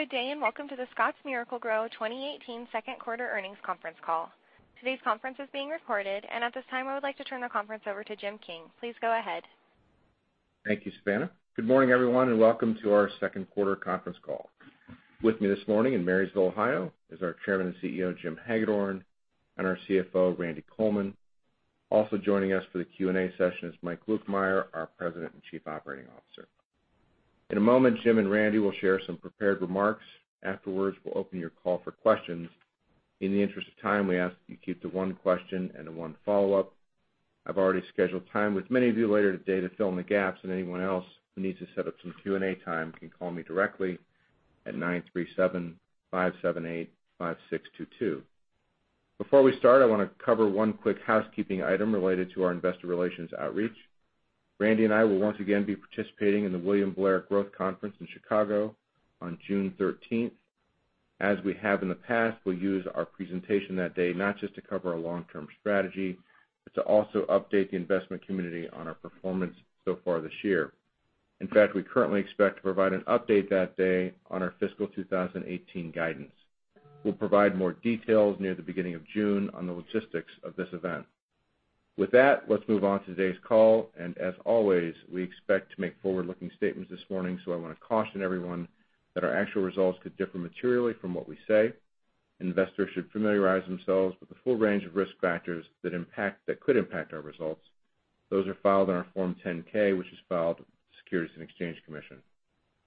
Good day. Welcome to the Scotts Miracle-Gro 2018 second quarter earnings conference call. Today's conference is being recorded. At this time, I would like to turn the conference over to Jim King. Please go ahead. Thank you, Savannah. Good morning, everyone. Welcome to our second quarter conference call. With me this morning in Marysville, Ohio, is our Chairman and CEO, Jim Hagedorn, and our CFO, Randy Coleman. Also joining us for the Q&A session is Mike Lukemire, our President and Chief Operating Officer. In a moment, Jim and Randy will share some prepared remarks. Afterwards, we'll open your call for questions. In the interest of time, we ask that you keep to one question and one follow-up. I've already scheduled time with many of you later today to fill in the gaps and anyone else who needs to set up some Q&A time can call me directly at 937-578-5622. Before we start, I want to cover one quick housekeeping item related to our investor relations outreach. Randy and I will once again be participating in the William Blair Growth Conference in Chicago on June 13th. As we have in the past, we'll use our presentation that day not just to cover our long-term strategy, but to also update the investment community on our performance so far this year. In fact, we currently expect to provide an update that day on our fiscal 2018 guidance. We'll provide more details near the beginning of June on the logistics of this event. With that, let's move on to today's call, and as always, we expect to make forward-looking statements this morning, so I want to caution everyone that our actual results could differ materially from what we say. Investors should familiarize themselves with the full range of risk factors that could impact our results. Those are filed in our Form 10-K, which is filed with the Securities and Exchange Commission.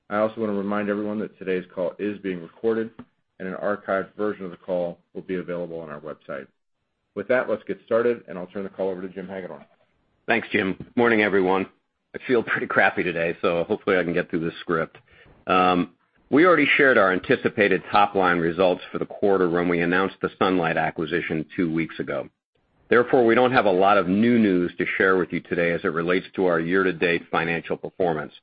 I also want to remind everyone that today's call is being recorded and an archived version of the call will be available on our website. With that, let's get started. I'll turn the call over to Jim Hagedorn. Thanks, Jim. Morning, everyone. I feel pretty crappy today. Hopefully I can get through this script. We already shared our anticipated top-line results for the quarter when we announced the Sunlight acquisition two weeks ago. Therefore, we don't have a lot of new news to share with you today as it relates to our year-to-date financial performance.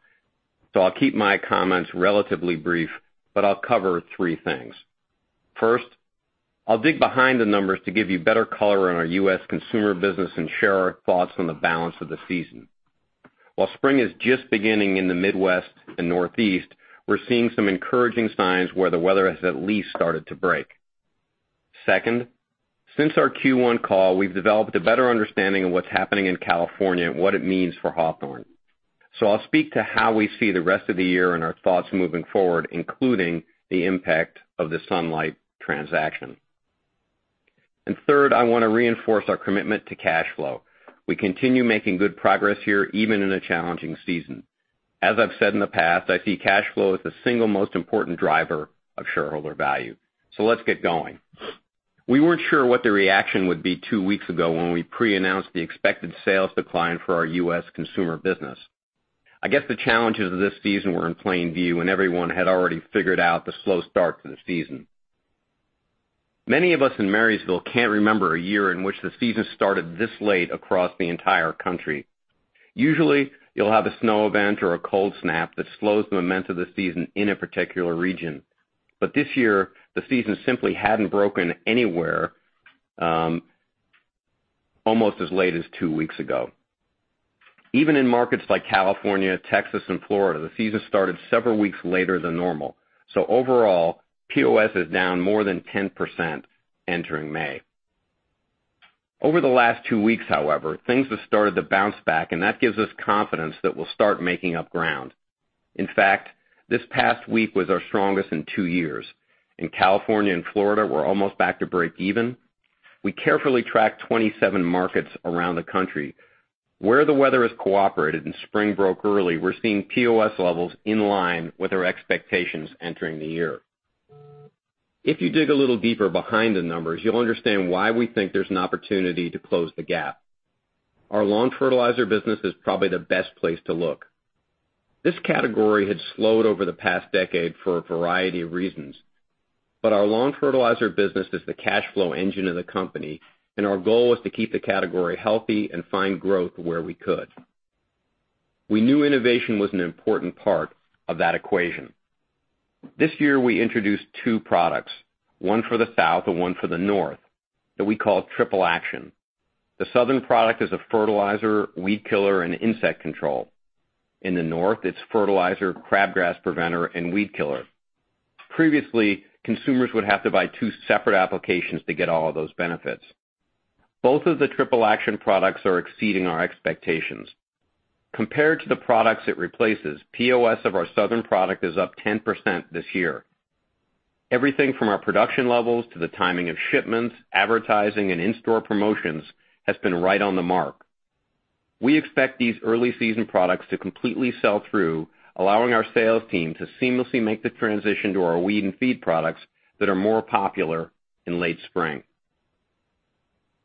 I'll keep my comments relatively brief, but I'll cover three things. First, I'll dig behind the numbers to give you better color on our U.S. consumer business and share our thoughts on the balance of the season. While spring is just beginning in the Midwest and Northeast, we're seeing some encouraging signs where the weather has at least started to break. Second, since our Q1 call, we've developed a better understanding of what's happening in California and what it means for Hawthorne. I'll speak to how we see the rest of the year and our thoughts moving forward, including the impact of the Sunlight transaction. Third, I want to reinforce our commitment to cash flow. We continue making good progress here, even in a challenging season. As I've said in the past, I see cash flow as the single most important driver of shareholder value. Let's get going. We weren't sure what the reaction would be two weeks ago when we pre-announced the expected sales decline for our U.S. consumer business. I guess the challenges of this season were in plain view, and everyone had already figured out the slow start to the season. Many of us in Marysville can't remember a year in which the season started this late across the entire country. Usually, you'll have a snow event or a cold snap that slows the momentum of the season in a particular region. This year, the season simply hadn't broken anywhere almost as late as two weeks ago. Even in markets like California, Texas, and Florida, the season started several weeks later than normal. Overall, POS is down more than 10% entering May. Over the last two weeks, however, things have started to bounce back, and that gives us confidence that we'll start making up ground. In fact, this past week was our strongest in two years. In California and Florida, we're almost back to breakeven. We carefully track 27 markets around the country. Where the weather has cooperated and spring broke early, we're seeing POS levels in line with our expectations entering the year. If you dig a little deeper behind the numbers, you'll understand why we think there's an opportunity to close the gap. Our lawn fertilizer business is probably the best place to look. This category had slowed over the past decade for a variety of reasons. Our lawn fertilizer business is the cash flow engine of the company, and our goal was to keep the category healthy and find growth where we could. We knew innovation was an important part of that equation. This year, we introduced two products, one for the South and one for the North, that we call Triple Action. The Southern product is a fertilizer, weed killer, and insect control. In the North, it's fertilizer, crabgrass preventer, and weed killer. Previously, consumers would have to buy two separate applications to get all of those benefits. Both of the Triple Action products are exceeding our expectations. Compared to the products it replaces, POS of our Southern product is up 10% this year. Everything from our production levels to the timing of shipments, advertising, and in-store promotions has been right on the mark. We expect these early-season products to completely sell through, allowing our sales team to seamlessly make the transition to our weed and feed products that are more popular in late spring.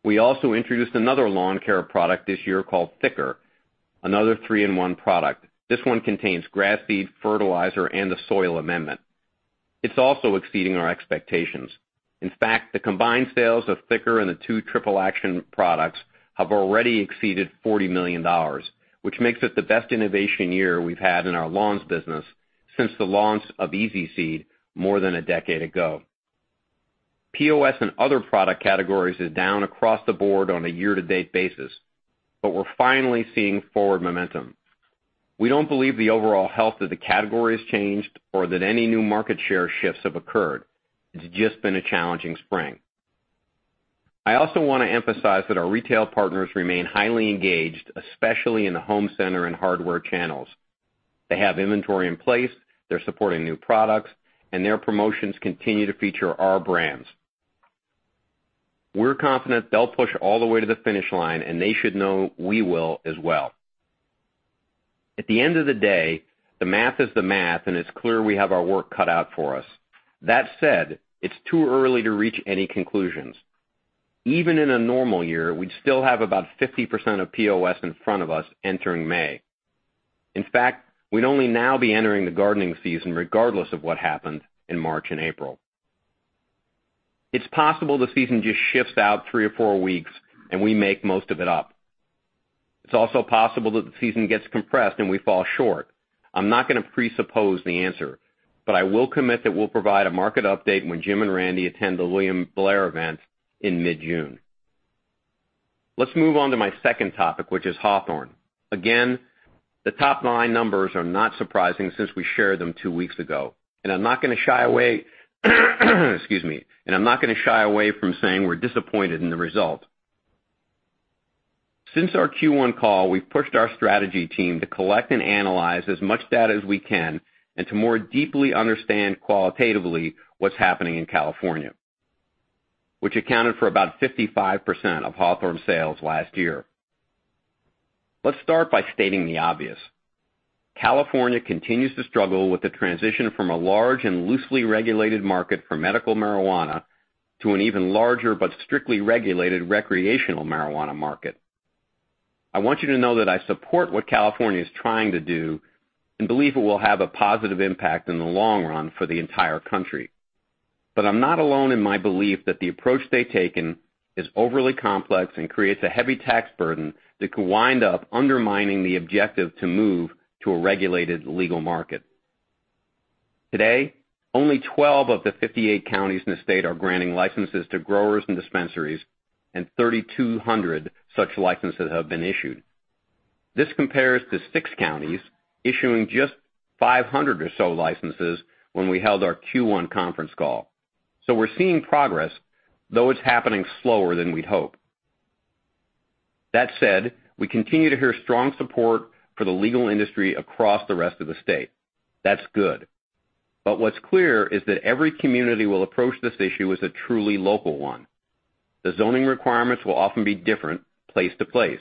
We also introduced another lawn care product this year called THICK'R, another three-in-one product. This one contains grass seed, fertilizer, and a soil amendment. It's also exceeding our expectations. In fact, the combined sales of THICK'R and the two Triple Action products have already exceeded $40 million, which makes it the best innovation year we've had in our lawns business since the launch of EZ Seed more than a decade ago. POS and other product categories are down across the board on a year-to-date basis. We're finally seeing forward momentum. We don't believe the overall health of the category has changed or that any new market share shifts have occurred. It's just been a challenging spring. I also want to emphasize that our retail partners remain highly engaged, especially in the home center and hardware channels. They have inventory in place, they're supporting new products, and their promotions continue to feature our brands. We're confident they'll push all the way to the finish line. They should know we will as well. At the end of the day, the math is the math, and it's clear we have our work cut out for us. That said, it's too early to reach any conclusions. Even in a normal year, we'd still have about 50% of POS in front of us entering May. In fact, we'd only now be entering the gardening season regardless of what happened in March and April. It's possible the season just shifts out three or four weeks and we make most of it up. It's also possible that the season gets compressed and we fall short. I'm not going to presuppose the answer, but I will commit that we'll provide a market update when Jim and Randy attend the William Blair event in mid-June. Let's move on to my second topic, which is Hawthorne. Again, the top-line numbers are not surprising since we shared them two weeks ago. I'm not going to shy away from saying we're disappointed in the result. Since our Q1 call, we've pushed our strategy team to collect and analyze as much data as we can and to more deeply understand qualitatively what's happening in California, which accounted for about 55% of Hawthorne sales last year. Let's start by stating the obvious. California continues to struggle with the transition from a large and loosely regulated market for medical marijuana to an even larger but strictly regulated recreational marijuana market. I want you to know that I support what California is trying to do and believe it will have a positive impact in the long run for the entire country. I'm not alone in my belief that the approach they've taken is overly complex and creates a heavy tax burden that could wind up undermining the objective to move to a regulated legal market. Today, only 12 of the 58 counties in the state are granting licenses to growers and dispensaries, and 3,200 such licenses have been issued. This compares to six counties issuing just 500 or so licenses when we held our Q1 conference call. We're seeing progress, though it's happening slower than we'd hope. That said, we continue to hear strong support for the legal industry across the rest of the state. That's good. What's clear is that every community will approach this issue as a truly local one. The zoning requirements will often be different place to place.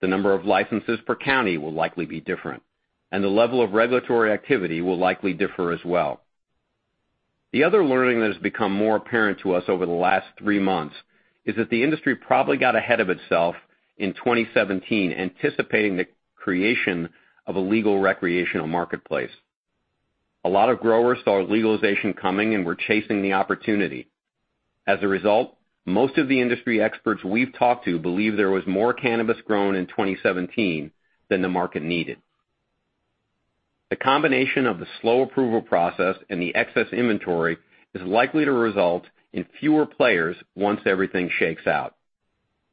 The number of licenses per county will likely be different, and the level of regulatory activity will likely differ as well. The other learning that has become more apparent to us over the last three months is that the industry probably got ahead of itself in 2017, anticipating the creation of a legal recreational marketplace. A lot of growers saw legalization coming and were chasing the opportunity. As a result, most of the industry experts we've talked to believe there was more cannabis grown in 2017 than the market needed. The combination of the slow approval process and the excess inventory is likely to result in fewer players once everything shakes out.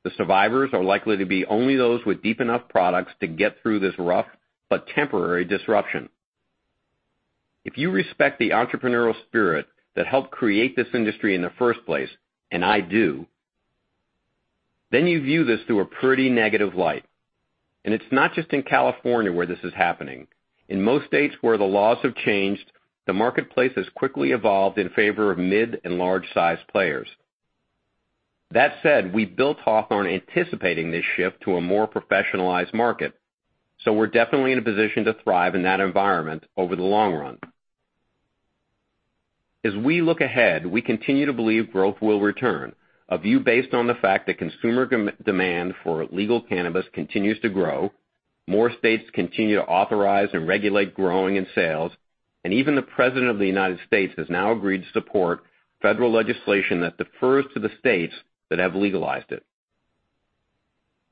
The survivors are likely to be only those with deep enough products to get through this rough but temporary disruption. If you respect the entrepreneurial spirit that helped create this industry in the first place, and I do, then you view this through a pretty negative light. It's not just in California where this is happening. In most states where the laws have changed, the marketplace has quickly evolved in favor of mid and large-size players. That said, we built Hawthorne anticipating this shift to a more professionalized market, we're definitely in a position to thrive in that environment over the long run. As we look ahead, we continue to believe growth will return. A view based on the fact that consumer demand for legal cannabis continues to grow. More states continue to authorize and regulate growing and sales, even the President of the United States has now agreed to support federal legislation that defers to the states that have legalized it.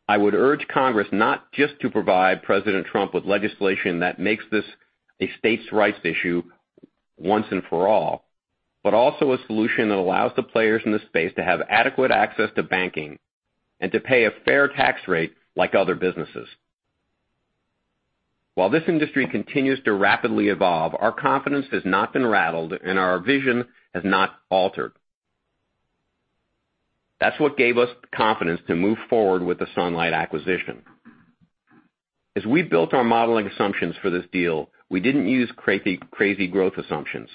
I would urge Congress not just to provide President Trump with legislation that makes this a states' rights issue once and for all, but also a solution that allows the players in this space to have adequate access to banking and to pay a fair tax rate like other businesses. While this industry continues to rapidly evolve, our confidence has not been rattled and our vision has not altered. That's what gave us confidence to move forward with the Sunlight acquisition. As we built our modeling assumptions for this deal, we didn't use crazy growth assumptions.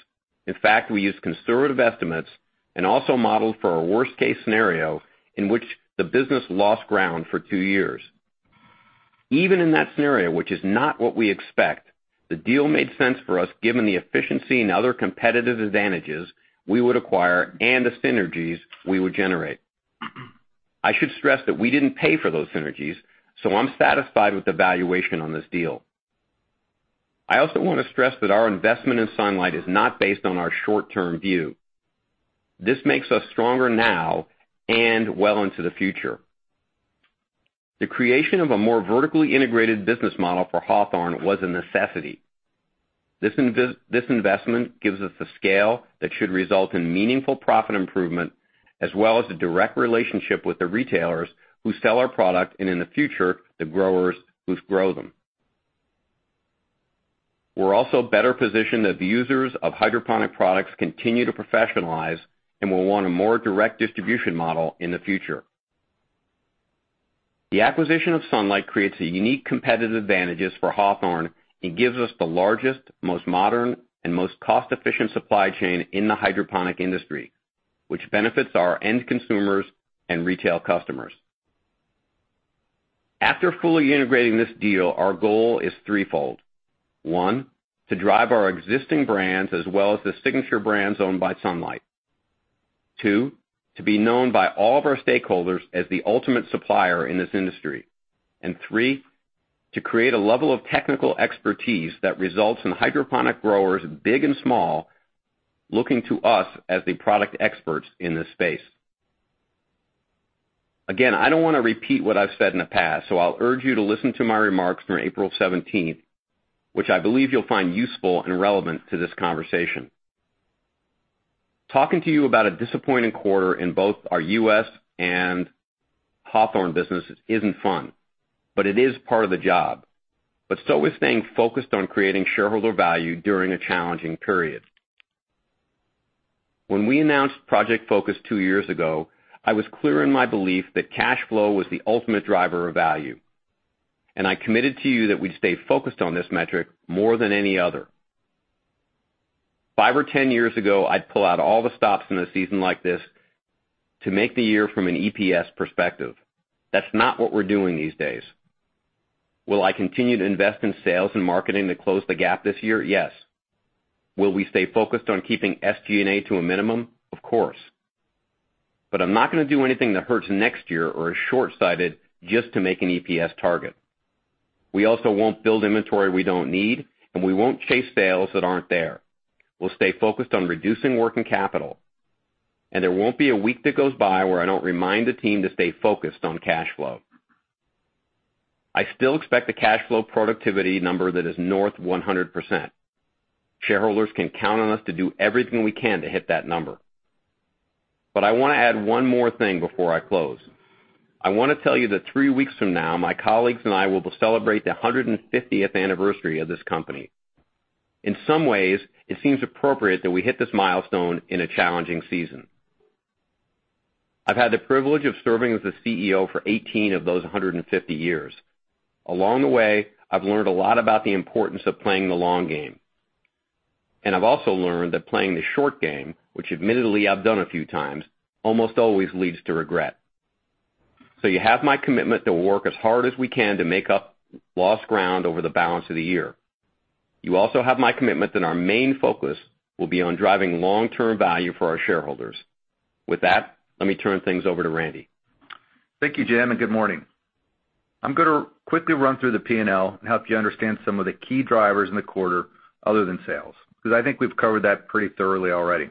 In fact, we used conservative estimates and also modeled for a worst-case scenario in which the business lost ground for two years. Even in that scenario, which is not what we expect, the deal made sense for us given the efficiency and other competitive advantages we would acquire and the synergies we would generate. I should stress that we didn't pay for those synergies, so I'm satisfied with the valuation on this deal. I also want to stress that our investment in Sunlight is not based on our short-term view. This makes us stronger now and well into the future. The creation of a more vertically integrated business model for Hawthorne was a necessity. This investment gives us the scale that should result in meaningful profit improvement, as well as a direct relationship with the retailers who sell our product, and in the future, the growers who grow them. We're also better positioned as the users of hydroponic products continue to professionalize and will want a more direct distribution model in the future. The acquisition of Sunlight creates a unique competitive advantages for Hawthorne and gives us the largest, most modern and most cost-efficient supply chain in the hydroponic industry, which benefits our end consumers and retail customers. After fully integrating this deal, our goal is threefold. One, to drive our existing brands as well as the signature brands owned by Sunlight. Two, to be known by all of our stakeholders as the ultimate supplier in this industry. Three, to create a level of technical expertise that results in hydroponic growers, big and small, looking to us as the product experts in this space. Again, I don't want to repeat what I've said in the past, so I'll urge you to listen to my remarks from April 17th, which I believe you'll find useful and relevant to this conversation. Talking to you about a disappointing quarter in both our U.S. and Hawthorne businesses isn't fun, but it is part of the job. So is staying focused on creating shareholder value during a challenging period. When we announced Project Focus two years ago, I was clear in my belief that cash flow was the ultimate driver of value, and I committed to you that we'd stay focused on this metric more than any other. Five or 10 years ago, I'd pull out all the stops in a season like this to make the year from an EPS perspective. That's not what we're doing these days. Will I continue to invest in sales and marketing to close the gap this year? Yes. Will we stay focused on keeping SG&A to a minimum? Of course. I'm not going to do anything that hurts next year or is shortsighted just to make an EPS target. We also won't build inventory we don't need, and we won't chase sales that aren't there. We'll stay focused on reducing working capital, and there won't be a week that goes by where I don't remind the team to stay focused on cash flow. I still expect the cash flow productivity number that is north of 100%. Shareholders can count on us to do everything we can to hit that number. I want to add one more thing before I close. I want to tell you that three weeks from now, my colleagues and I will celebrate the 150th anniversary of this company. In some ways, it seems appropriate that we hit this milestone in a challenging season. I've had the privilege of serving as the CEO for 18 of those 150 years. Along the way, I've learned a lot about the importance of playing the long game. I've also learned that playing the short game, which admittedly I've done a few times, almost always leads to regret. You have my commitment that we'll work as hard as we can to make up lost ground over the balance of the year. You also have my commitment that our main focus will be on driving long-term value for our shareholders. With that, let me turn things over to Randy. Thank you, Jim, and good morning. I'm going to quickly run through the P&L and help you understand some of the key drivers in the quarter other than sales, because I think we've covered that pretty thoroughly already.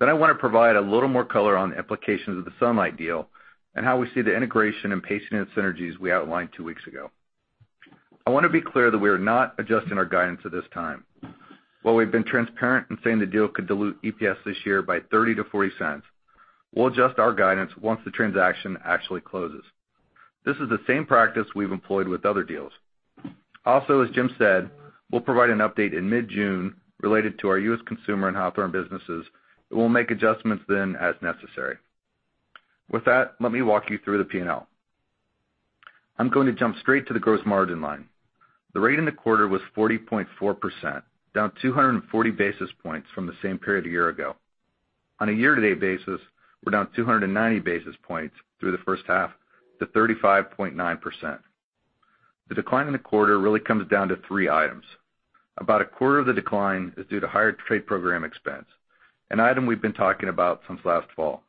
I want to provide a little more color on the implications of the Sunlight deal and how we see the integration and pacing and synergies we outlined two weeks ago. I want to be clear that we are not adjusting our guidance at this time. While we've been transparent in saying the deal could dilute EPS this year by $0.30-$0.40, we'll adjust our guidance once the transaction actually closes. This is the same practice we've employed with other deals. Also, as Jim said, we'll provide an update in mid-June related to our U.S. Consumer and Hawthorne businesses, and we'll make adjustments then as necessary. With that, let me walk you through the P&L. I'm going to jump straight to the gross margin line. The rate in the quarter was 40.4%, down 240 basis points from the same period a year ago. On a year-to-date basis, we're down 290 basis points through the first half to 35.9%. The decline in the quarter really comes down to three items. About a quarter of the decline is due to higher trade program expense, an item we've been talking about since last fall.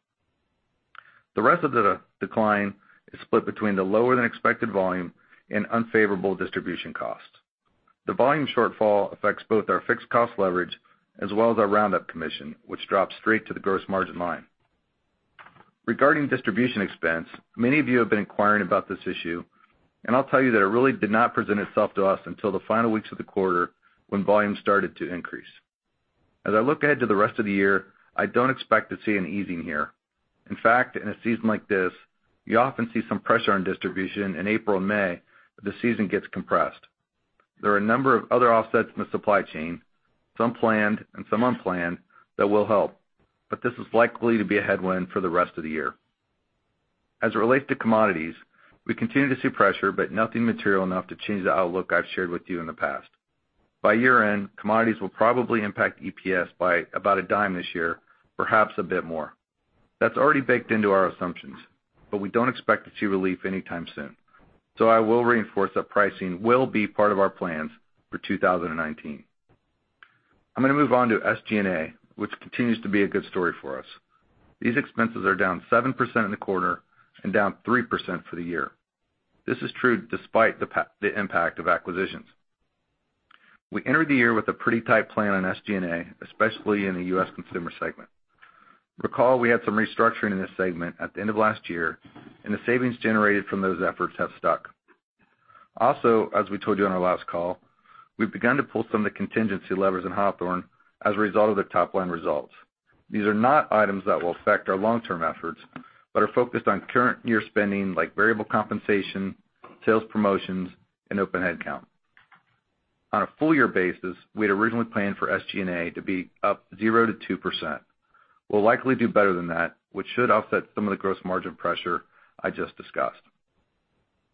The rest of the decline is split between the lower-than-expected volume and unfavorable distribution costs. The volume shortfall affects both our fixed cost leverage as well as our Roundup commission, which drops straight to the gross margin line. Regarding distribution expense, many of you have been inquiring about this issue, and I'll tell you that it really did not present itself to us until the final weeks of the quarter when volume started to increase. As I look ahead to the rest of the year, I don't expect to see an easing here. In fact, in a season like this, you often see some pressure on distribution in April and May, the season gets compressed. There are a number of other offsets in the supply chain, some planned and some unplanned, that will help, but this is likely to be a headwind for the rest of the year. As it relates to commodities, we continue to see pressure, but nothing material enough to change the outlook I've shared with you in the past. By year-end, commodities will probably impact EPS by about a dime this year, perhaps a bit more. That's already baked into our assumptions, we don't expect to see relief anytime soon. I will reinforce that pricing will be part of our plans for 2019. I'm going to move on to SG&A, which continues to be a good story for us. These expenses are down 7% in the quarter and down 3% for the year. This is true despite the impact of acquisitions. We entered the year with a pretty tight plan on SG&A, especially in the U.S. consumer segment. Recall we had some restructuring in this segment at the end of last year, and the savings generated from those efforts have stuck. As we told you on our last call, we've begun to pull some of the contingency levers in Hawthorne as a result of the top-line results. These are not items that will affect our long-term efforts but are focused on current year spending like variable compensation, sales promotions, and open headcount. On a full year basis, we had originally planned for SG&A to be up 0%-2%. We'll likely do better than that, which should offset some of the gross margin pressure I just discussed.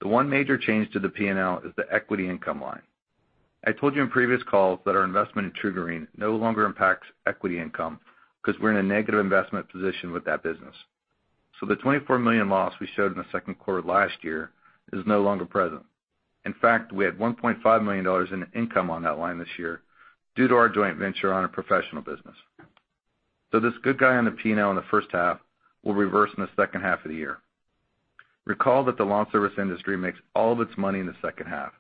The one major change to the P&L is the equity income line. I told you in previous calls that our investment in TruGreen no longer impacts equity income because we're in a negative investment position with that business. The $24 million loss we showed in the second quarter last year is no longer present. In fact, we had $1.5 million in income on that line this year due to our joint venture on a professional business. This good guy on the P&L in the first half will reverse in the second half of the year. Recall that the lawn service industry makes all of its money in the second half,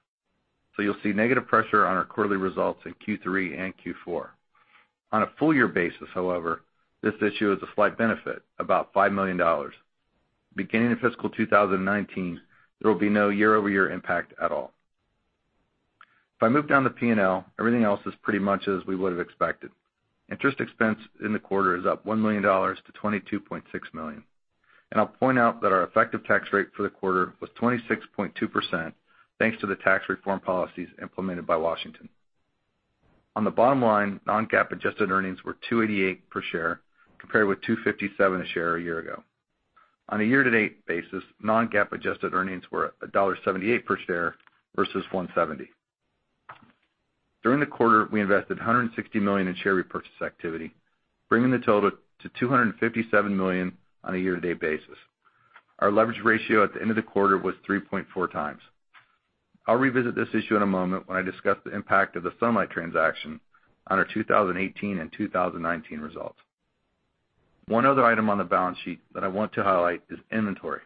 so you'll see negative pressure on our quarterly results in Q3 and Q4. On a full year basis, however, this issue is a slight benefit, about $5 million. Beginning in fiscal 2019, there will be no year-over-year impact at all. If I move down the P&L, everything else is pretty much as we would have expected. Interest expense in the quarter is up $1 million to $22.6 million. I'll point out that our effective tax rate for the quarter was 26.2%, thanks to the tax reform policies implemented by Washington. On the bottom line, non-GAAP adjusted earnings were $2.88 per share compared with $2.57 a share a year ago. On a year-to-date basis, non-GAAP adjusted earnings were $1.78 per share versus $1.70. During the quarter, we invested $160 million in share repurchase activity, bringing the total to $257 million on a year-to-date basis. Our leverage ratio at the end of the quarter was 3.4 times. I'll revisit this issue in a moment when I discuss the impact of the Sunlight transaction on our 2018 and 2019 results. One other item on the balance sheet that I want to highlight is inventory.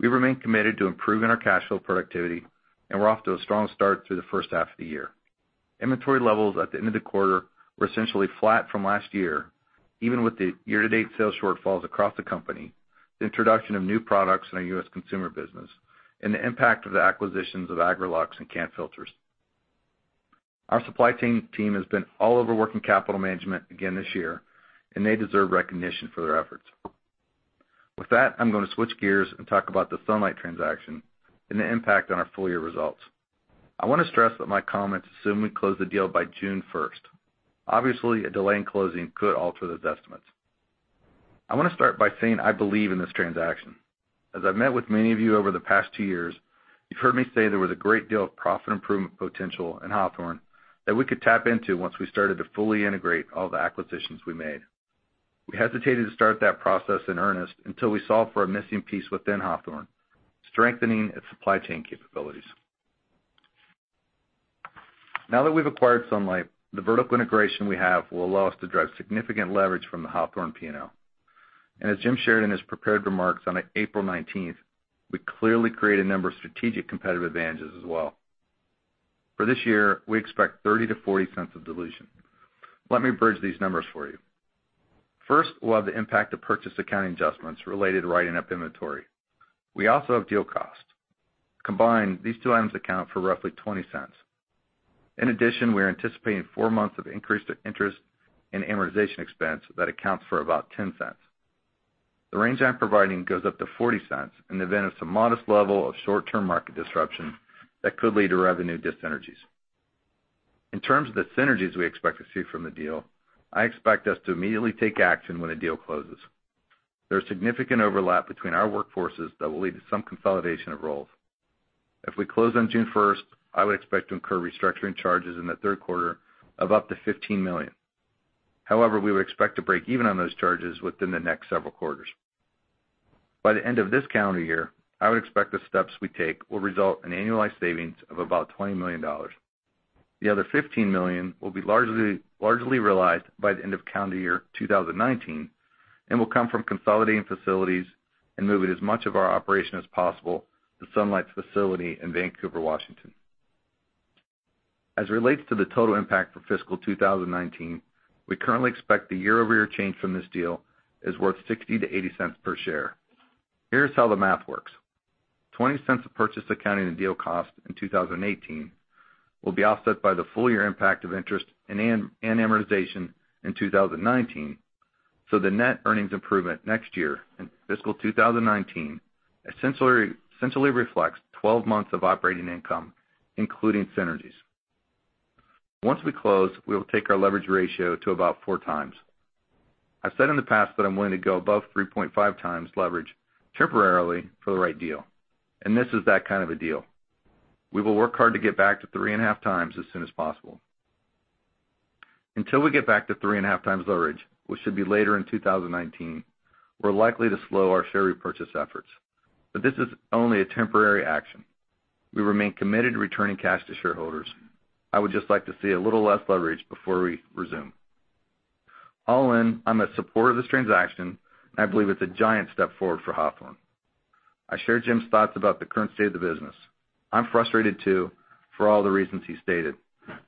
We remain committed to improving our cash flow productivity, and we're off to a strong start through the first half of the year. Inventory levels at the end of the quarter were essentially flat from last year, even with the year-to-date sales shortfalls across the company, the introduction of new products in our U.S. consumer business, and the impact of the acquisitions of Agrolux and Can-Filters. Our supply chain team has been all over working capital management again this year, and they deserve recognition for their efforts. With that, I'm going to switch gears and talk about the Sunlight transaction and the impact on our full-year results. I want to stress that my comments assume we close the deal by June 1st. Obviously, a delay in closing could alter those estimates. I want to start by saying I believe in this transaction. As I've met with many of you over the past two years, you've heard me say there was a great deal of profit improvement potential in Hawthorne that we could tap into once we started to fully integrate all the acquisitions we made. We hesitated to start that process in earnest until we solved for a missing piece within Hawthorne, strengthening its supply chain capabilities. As Jim shared in his prepared remarks on April 19th, we clearly create a number of strategic competitive advantages as well. For this year, we expect $0.30-$0.40 of dilution. Let me bridge these numbers for you. First, we'll have the impact of purchase accounting adjustments related to writing up inventory. We also have deal cost. Combined, these two items account for roughly $0.20. In addition, we're anticipating four months of increased interest and amortization expense that accounts for about $0.10. The range I'm providing goes up to $0.40 in the event of some modest level of short-term market disruption that could lead to revenue dis-synergies. In terms of the synergies we expect to see from the deal, I expect us to immediately take action when the deal closes. There's significant overlap between our workforces that will lead to some consolidation of roles. If we close on June 1st, I would expect to incur restructuring charges in the third quarter of up to $15 million. However, we would expect to break even on those charges within the next several quarters. By the end of this calendar year, I would expect the steps we take will result in annualized savings of about $20 million. The other $15 million will be largely realized by the end of calendar year 2019 and will come from consolidating facilities and moving as much of our operation as possible to Sunlight's facility in Vancouver, Washington. As it relates to the total impact for fiscal 2019, we currently expect the year-over-year change from this deal is worth $0.60-$0.80 per share. Here's how the math works. $0.20 of purchase accounting and deal cost in 2018 will be offset by the full year impact of interest and amortization in 2019, so the net earnings improvement next year, in fiscal 2019, essentially reflects 12 months of operating income, including synergies. Once we close, we will take our leverage ratio to about four times. I've said in the past that I'm willing to go above 3.5x leverage temporarily for the right deal, and this is that kind of a deal. We will work hard to get back to 3.5x as soon as possible. Until we get back to 3.5x leverage, which should be later in 2019, we're likely to slow our share repurchase efforts. This is only a temporary action. We remain committed to returning cash to shareholders. I would just like to see a little less leverage before we resume. All in, I'm a supporter of this transaction, I believe it's a giant step forward for Hawthorne. I share Jim's thoughts about the current state of the business. I'm frustrated too, for all the reasons he stated,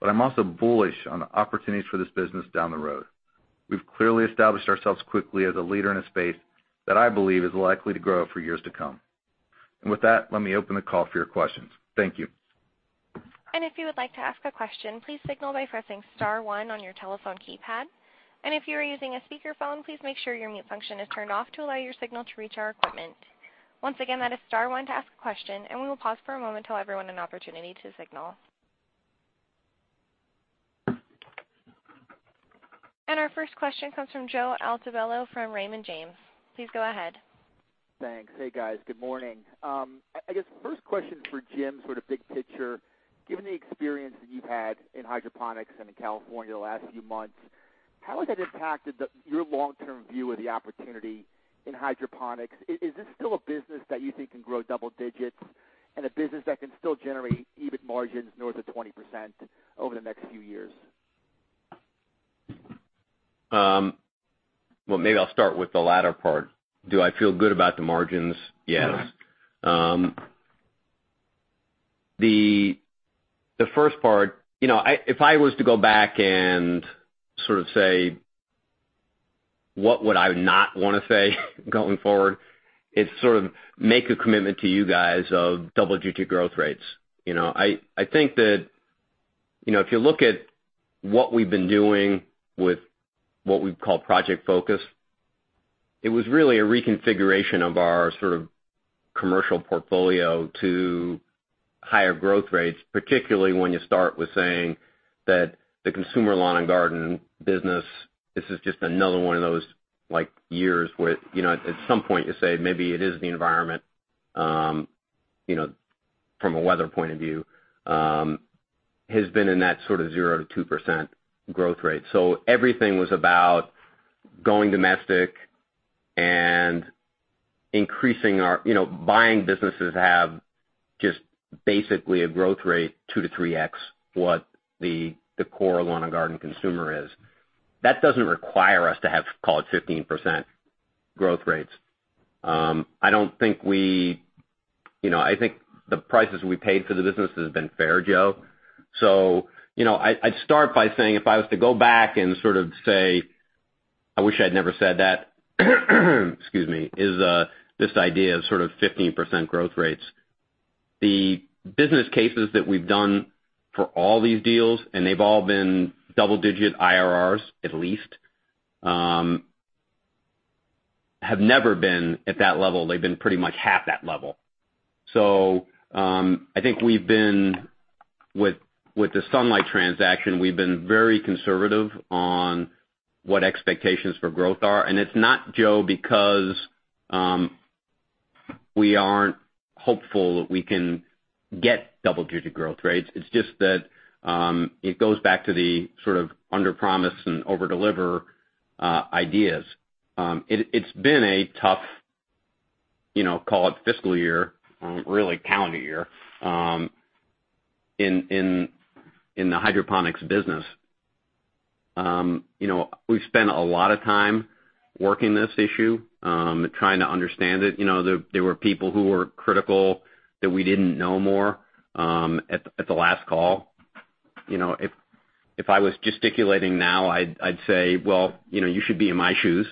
I'm also bullish on the opportunities for this business down the road. We've clearly established ourselves quickly as a leader in a space that I believe is likely to grow for years to come. With that, let me open the call for your questions. Thank you. If you would like to ask a question, please signal by pressing star one on your telephone keypad. If you are using a speakerphone, please make sure your mute function is turned off to allow your signal to reach our equipment. Once again, that is star one to ask a question, We will pause for a moment to allow everyone an opportunity to signal. Our first question comes from Joseph Altobello from Raymond James. Please go ahead. Thanks. Hey, guys. Good morning. I guess first question for Jim, sort of big picture, given the experience that you've had in hydroponics and in California the last few months, how has that impacted your long-term view of the opportunity in hydroponics? Is this still a business that you think can grow double digits and a business that can still generate EBIT margins north of 20% over the next few years? Well, maybe I'll start with the latter part. Do I feel good about the margins? Yes. The first part, if I was to go back and sort of say, what would I not want to say going forward, it's sort of make a commitment to you guys of double-digit growth rates. I think that if you look at what we've been doing with what we've called Project Focus, it was really a reconfiguration of our sort of commercial portfolio to higher growth rates, particularly when you start with saying that the consumer lawn and garden business, this is just another one of those years where at some point you say maybe it is the environment from a weather point of view, has been in that sort of 0%-2% growth rate. Everything was about going domestic and buying businesses that have just basically a growth rate 2x-3x what the core lawn and garden consumer is. That doesn't require us to have, call it 15% growth rates. I think the prices we paid for the business has been fair, Joe. I'd start by saying if I was to go back and sort of say, I wish I'd never said that, excuse me, is this idea of sort of 15% growth rates. The business cases that we've done for all these deals, and they've all been double-digit IRRs, at least, have never been at that level. They've been pretty much half that level. I think with the Sunlight transaction, we've been very conservative on what expectations for growth are, and it's not, Joe, because we aren't hopeful that we can get double-digit growth rates. It's just that it goes back to the sort of underpromise and overdeliver ideas. It's been a tough fiscal year, really calendar year, in the hydroponics business. We've spent a lot of time working this issue, trying to understand it. There were people who were critical that we didn't know more at the last call. If I was gesticulating now, I'd say, well, you should be in my shoes,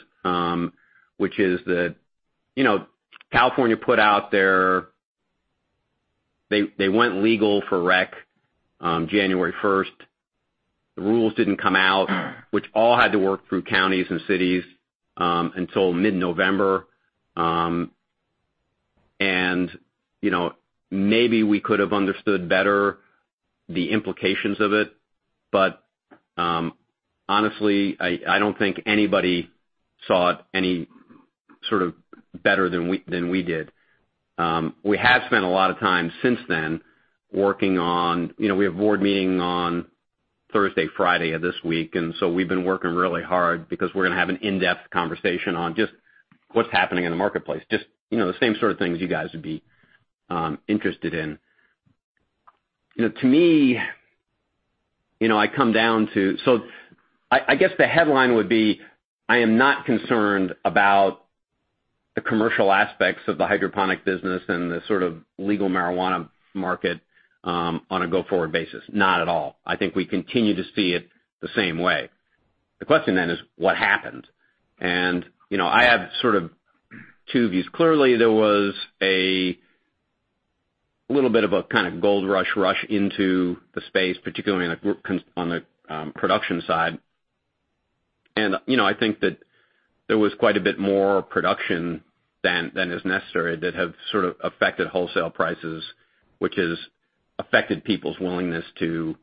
which is that California put out there. They went legal for rec January 1st. The rules didn't come out, which all had to work through counties and cities, until mid-November. Maybe we could have understood better the implications of it, but honestly, I don't think anybody saw it any sort of better than we did. We have spent a lot of time since then working on. We have a board meeting on Thursday, Friday of this week, we've been working really hard because we're going to have an in-depth conversation on just what's happening in the marketplace, just the same sort of things you guys would be interested in. To me, I come down to. I guess the headline would be, I am not concerned about the commercial aspects of the hydroponic business and the sort of legal marijuana market on a go-forward basis. Not at all. I think we continue to see it the same way. The question then is, what happened? I have sort of two views. Clearly, there was a little bit of a kind of gold rush into the space, particularly on the production side. I think that there was quite a bit more production than is necessary that have sort of affected wholesale prices, which has affected people's willingness to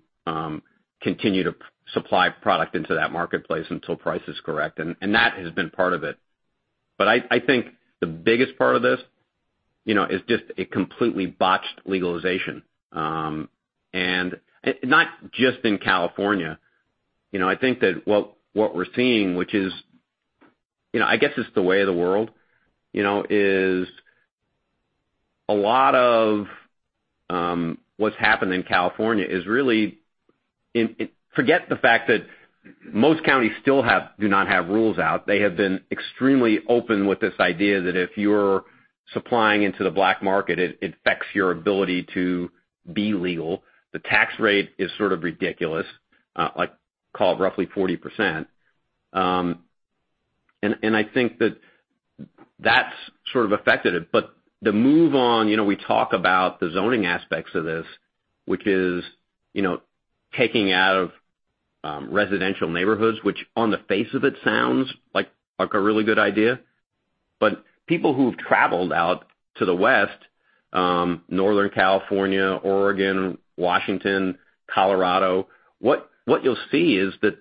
continue to supply product into that marketplace until price is correct. That has been part of it. I think the biggest part of this is just a completely botched legalization. Not just in California. I think that what we're seeing, which is, I guess it's the way of the world, is a lot of what's happened in California is really Forget the fact that most counties still do not have rules out. They have been extremely open with this idea that if you're supplying into the black market, it affects your ability to be legal. The tax rate is sort of ridiculous, I call it roughly 40%. I think that's sort of affected it. The move on, we talk about the zoning aspects of this, which is taking out of residential neighborhoods, which on the face of it sounds like a really good idea. People who have traveled out to the West, Northern California, Oregon, Washington, Colorado, what you'll see is that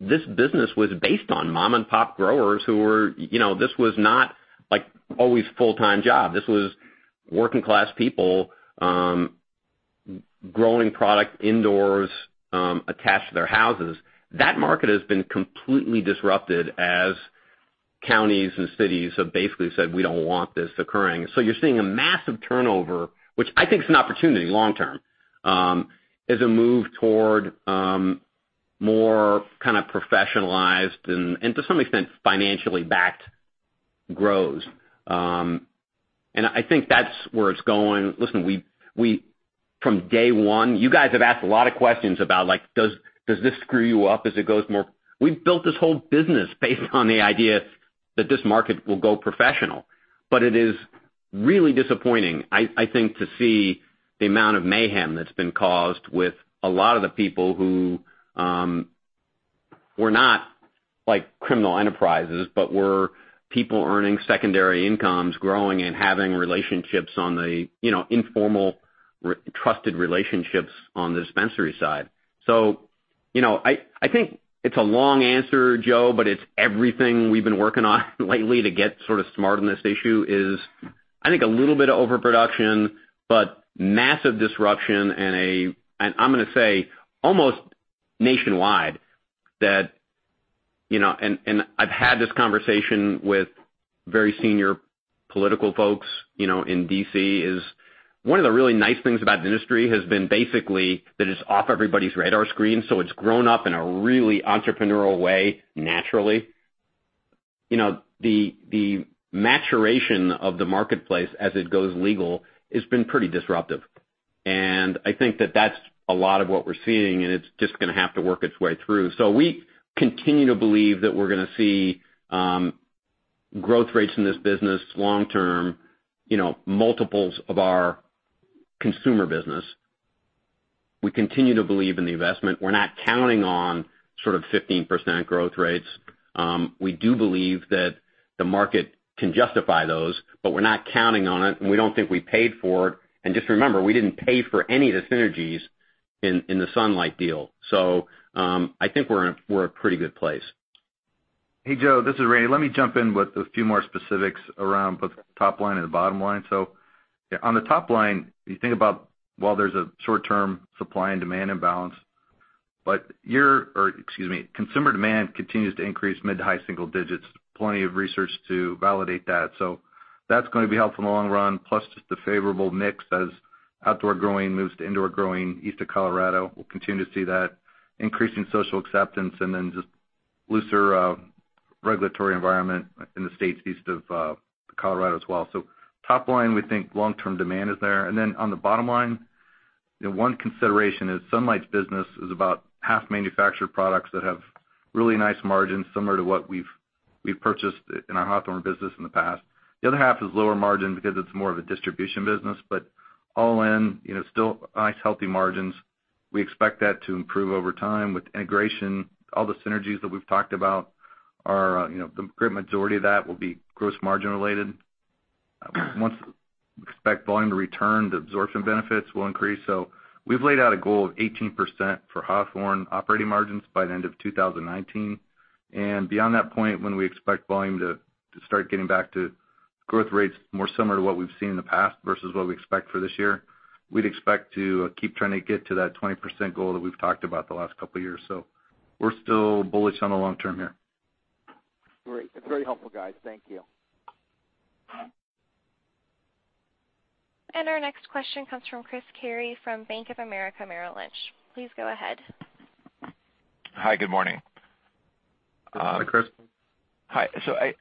this business was based on mom-and-pop growers who were, this was not always a full-time job. This was working-class people growing product indoors, attached to their houses. That market has been completely disrupted as counties and cities have basically said, "We don't want this occurring." You're seeing a massive turnover, which I think is an opportunity long term, as a move toward more kind of professionalized and to some extent, financially backed grows. I think that's where it's going. Listen, from day one, you guys have asked a lot of questions about, like, does this screw you up as it goes more? We've built this whole business based on the idea that this market will go professional. It is really disappointing, I think, to see the amount of mayhem that's been caused with a lot of the people who were not criminal enterprises, but were people earning secondary incomes, growing and having relationships on the informal, trusted relationships on the dispensary side. I think it's a long answer, Joe, it's everything we've been working on lately to get sort of smart on this issue is, I think a little bit of overproduction, but massive disruption and I'm going to say almost nationwide, and I've had this conversation with very senior political folks in D.C., is one of the really nice things about the industry has been basically that it's off everybody's radar screen. It's grown up in a really entrepreneurial way, naturally. The maturation of the marketplace as it goes legal has been pretty disruptive. I think that that's a lot of what we're seeing, and it's just going to have to work its way through. We continue to believe that we're going to see growth rates in this business long term, multiples of our consumer business. We continue to believe in the investment. We're not counting on sort of 15% growth rates. We do believe that the market can justify those, but we're not counting on it, and we don't think we paid for it. Just remember, we didn't pay for any of the synergies in the Sunlight deal. I think we're in a pretty good place. Hey, Joe, this is Randy. Let me jump in with a few more specifics around both the top line and the bottom line. On the top line, you think about while there's a short-term supply and demand imbalance, but consumer demand continues to increase mid to high single digits. Plenty of research to validate that. That's going to be helpful in the long run, plus just the favorable mix as outdoor growing moves to indoor growing east of Colorado. We'll continue to see that increasing social acceptance and just looser regulatory environment in the states east of Colorado as well. Top line, we think long-term demand is there. On the bottom line, one consideration is Sunlight's business is about half manufactured products that have really nice margins, similar to what we've purchased in our Hawthorne business in the past. The other half is lower margin because it's more of a distribution business. All in, still nice, healthy margins. We expect that to improve over time with integration. All the synergies that we've talked about, the great majority of that will be gross margin related. Once we expect volume to return, the absorption benefits will increase. We've laid out a goal of 18% for Hawthorne operating margins by the end of 2019. Beyond that point, when we expect volume to start getting back to growth rates more similar to what we've seen in the past versus what we expect for this year, we'd expect to keep trying to get to that 20% goal that we've talked about the last couple of years. We're still bullish on the long term here. Great. That's very helpful, guys. Thank you. Our next question comes from Christopher Carey from Bank of America Merrill Lynch. Please go ahead. Hi, good morning. Hi, Chris. Hi.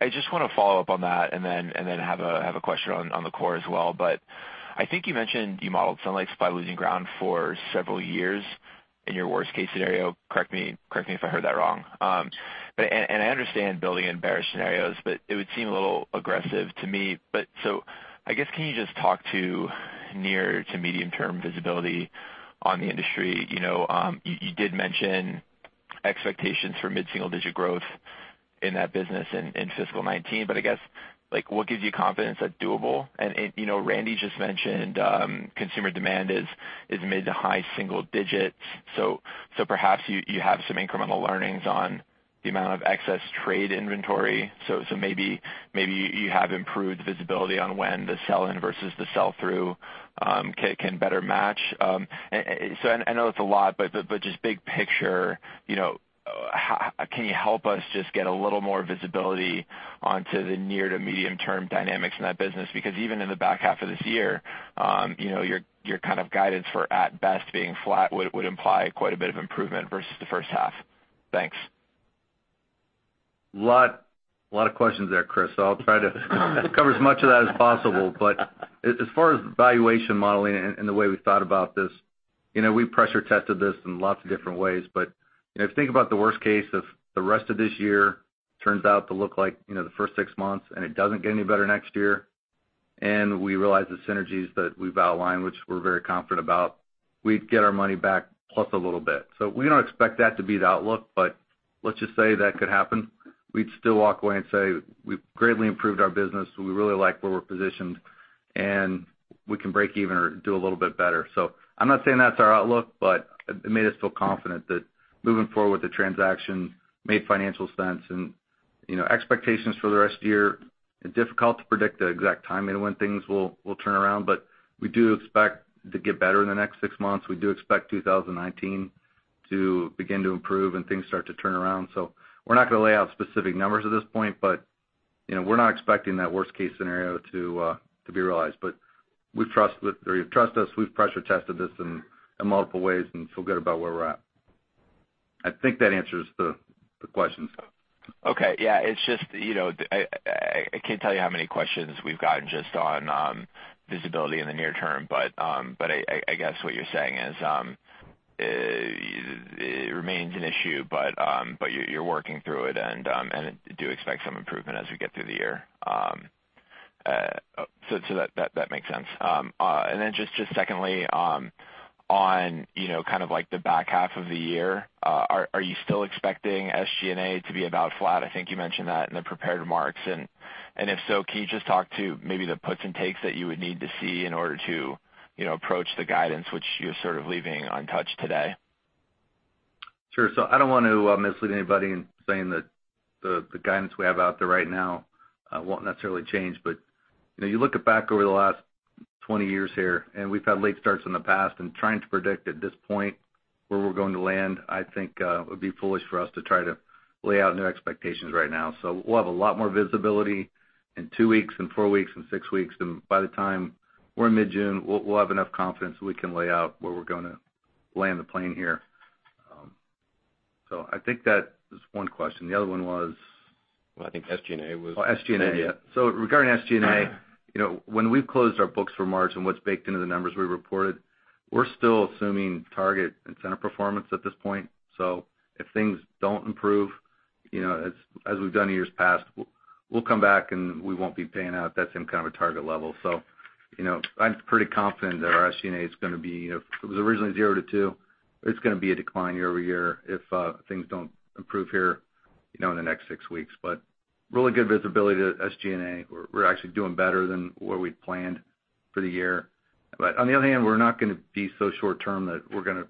I just want to follow up on that and then have a question on the core as well. I think you mentioned you modeled Sunlight by losing ground for several years in your worst case scenario. Correct me if I heard that wrong. I understand building in bearish scenarios, but it would seem a little aggressive to me. I guess, can you just talk to near to medium-term visibility on the industry? You did mention expectations for mid-single digit growth in that business in fiscal 2019, but I guess, what gives you confidence that's doable? Randy just mentioned consumer demand is mid to high single digits. Perhaps you have some incremental learnings on the amount of excess trade inventory. Maybe you have improved visibility on when the sell-in versus the sell-through Can better match. I know it's a lot, just big picture, can you help us just get a little more visibility onto the near to medium term dynamics in that business? Because even in the back half of this year, your kind of guidance for at best being flat would imply quite a bit of improvement versus the first half. Thanks. A lot of questions there, Chris. I'll try to cover as much of that as possible. As far as valuation modeling and the way we thought about this, we pressure tested this in lots of different ways. If you think about the worst case, if the rest of this year turns out to look like the first six months, and it doesn't get any better next year, and we realize the synergies that we've outlined, which we're very confident about, we'd get our money back plus a little bit. We don't expect that to be the outlook, let's just say that could happen. We'd still walk away and say, we've greatly improved our business, we really like where we're positioned, and we can break even or do a little bit better. I'm not saying that's our outlook, it made us feel confident that moving forward with the transaction made financial sense. Expectations for the rest of the year, it's difficult to predict the exact timing when things will turn around. We do expect to get better in the next six months. We do expect 2019 to begin to improve and things start to turn around. We're not going to lay out specific numbers at this point, we're not expecting that worst case scenario to be realized. Trust us, we've pressure tested this in multiple ways and feel good about where we're at. I think that answers the questions. Okay. Yeah. It's just, I can't tell you how many questions we've gotten just on visibility in the near term, I guess what you're saying is, it remains an issue, you're working through it and do expect some improvement as we get through the year. That makes sense. Then just secondly, on kind of like the back half of the year, are you still expecting SG&A to be about flat? I think you mentioned that in the prepared remarks. If so, can you just talk to maybe the puts and takes that you would need to see in order to approach the guidance which you're sort of leaving untouched today? Sure. I don't want to mislead anybody in saying that the guidance we have out there right now won't necessarily change, but you look back over the last 20 years here, and we've had late starts in the past, and trying to predict at this point where we're going to land, I think, would be foolish for us to try to lay out new expectations right now. We'll have a lot more visibility in two weeks, in four weeks, in six weeks. By the time we're in mid-June, we'll have enough confidence so we can lay out where we're going to land the plane here. I think that is one question. The other one was? I think SG&A was. Oh, SG&A. Regarding SG&A, when we've closed our books for March and what's baked into the numbers we reported, we're still assuming target incentive performance at this point. If things don't improve, as we've done in years past, we'll come back, and we won't be paying out at that same kind of a target level. I'm pretty confident that our SG&A is going to be, it was originally 0%-2%. It's going to be a decline year-over-year if things don't improve here in the next six weeks. Really good visibility to SG&A. We're actually doing better than what we'd planned for the year. On the other hand, we're not going to be so short-term that we're going to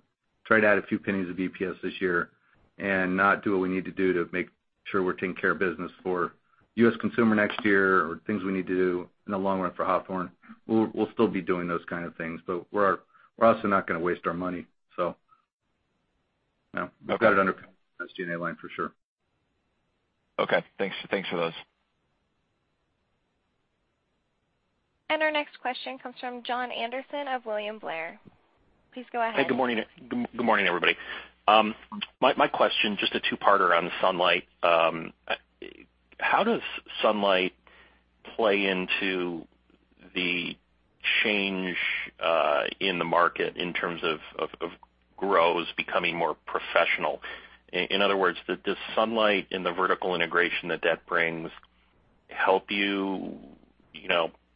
try to add a few pennies of EPS this year and not do what we need to do to make sure we're taking care of business for U.S. consumer next year or things we need to do in the long run for Hawthorne. We'll still be doing those kind of things. We're also not going to waste our money. I've got it under control, SG&A line for sure. Okay, thanks for those. Our next question comes from Jon Andersen of William Blair. Please go ahead. Hey, good morning, everybody. My question, just a two-parter on the Sunlight. How does Sunlight play into the change in the market in terms of growers becoming more professional? In other words, does Sunlight and the vertical integration that that brings help you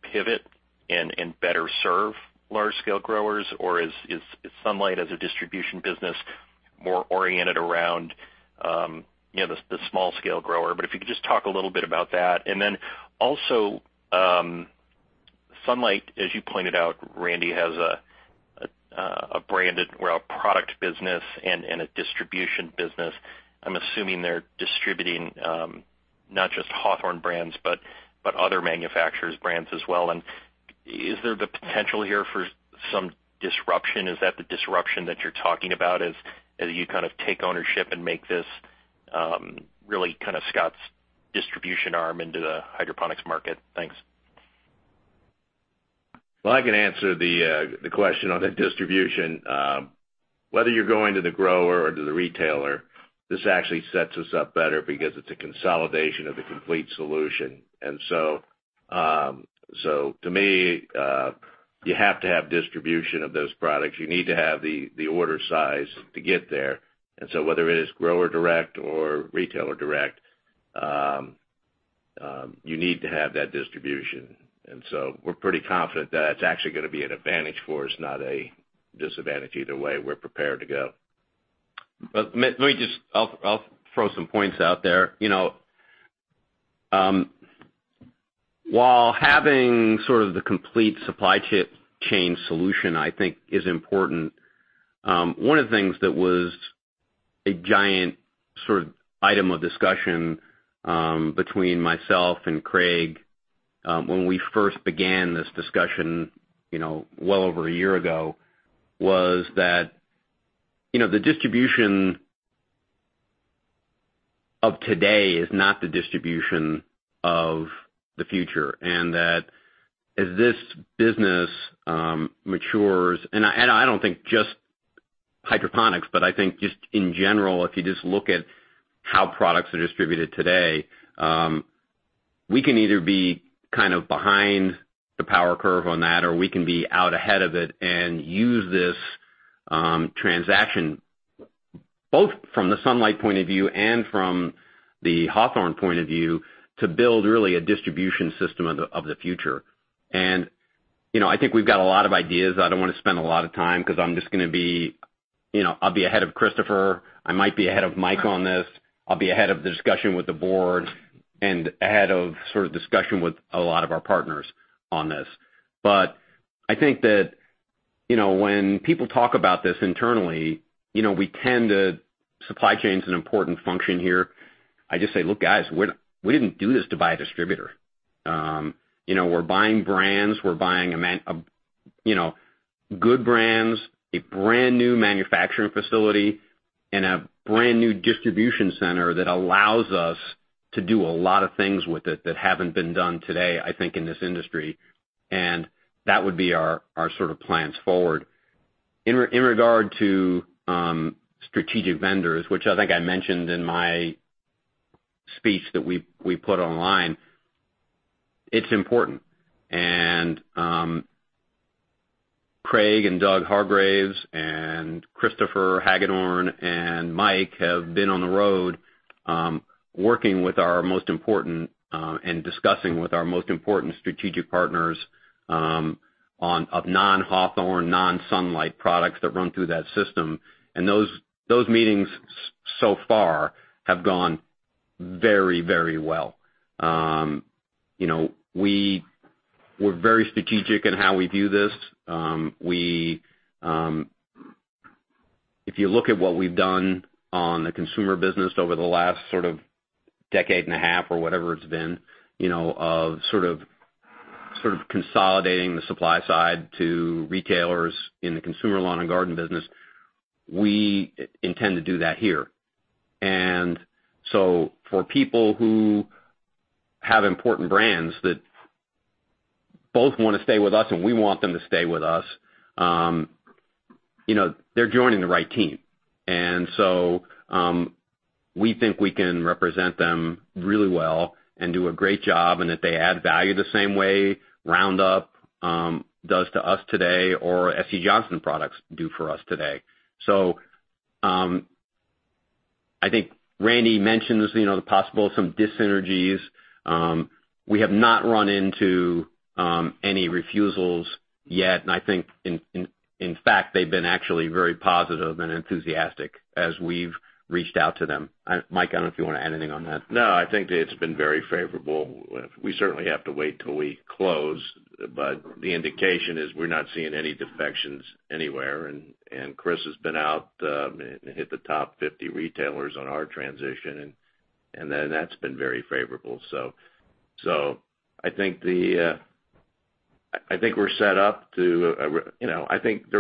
pivot and better serve large scale growers? Or is Sunlight, as a distribution business, more oriented around the small scale grower? If you could just talk a little bit about that. Then also, Sunlight, as you pointed out, Randy, has a branded, a product business and a distribution business. I'm assuming they're distributing not just Hawthorne brands, but other manufacturers' brands as well. Is there the potential here for some disruption? Is that the disruption that you're talking about as you kind of take ownership and make this really kind of Scotts distribution arm into the hydroponics market? Thanks. Well, I can answer the question on the distribution. Whether you're going to the grower or to the retailer, this actually sets us up better because it's a consolidation of the complete solution. To me, you have to have distribution of those products. You need to have the order size to get there. Whether it is grower direct or retailer direct, you need to have that distribution. We're pretty confident that it's actually going to be an advantage for us, not a disadvantage. Either way, we're prepared to go. Let me just, I'll throw some points out there. While having sort of the complete supply chain solution I think is important, one of the things that was a giant sort of item of discussion between myself and Craig when we first began this discussion well over a year ago was that the distribution of today is not the distribution of the future, and that as this business matures, and I don't think just hydroponics, but I think just in general, if you just look at how products are distributed today, we can either be kind of behind the power curve on that, or we can be out ahead of it and use this transaction, both from the Sunlight point of view and from the Hawthorne point of view, to build really a distribution system of the future. I think we've got a lot of ideas. I don't want to spend a lot of time because I'll be ahead of Christopher. I might be ahead of Mike on this. I'll be ahead of the discussion with the board and ahead of sort of discussion with a lot of our partners on this. I think that when people talk about this internally, supply chain's an important function here, I just say, "Look, guys, we didn't do this to buy a distributor." We're buying brands, we're buying good brands, a brand new manufacturing facility, and a brand new distribution center that allows us to do a lot of things with it that haven't been done today, I think, in this industry. That would be our sort of plans forward. In regard to strategic vendors, which I think I mentioned in my speech that we put online, it's important. Craig and Doug Hargreaves and Christopher Hagedorn and Mike have been on the road working with our most important and discussing with our most important strategic partners of non-Hawthorne, non-Sunlight products that run through that system. Those meetings so far have gone very well. We're very strategic in how we view this. If you look at what we've done on the consumer business over the last sort of decade and a half or whatever it's been, of sort of consolidating the supply side to retailers in the consumer lawn and garden business, we intend to do that here. For people who have important brands that both want to stay with us and we want them to stay with us, they're joining the right team. We think we can represent them really well and do a great job and that they add value the same way Roundup does to us today or SC Johnson products do for us today. I think Randy mentions the possible some dyssynergies. We have not run into any refusals yet. I think in fact, they've been actually very positive and enthusiastic as we've reached out to them. Mike, I don't know if you want to add anything on that. No, I think it's been very favorable. We certainly have to wait till we close, but the indication is we're not seeing any defections anywhere. Chris has been out, hit the top 50 retailers on our transition. That's been very favorable. I think they're